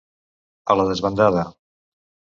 A la desbandada.